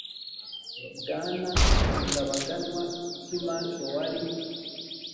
bwana nsanzabaganwa epimaque wari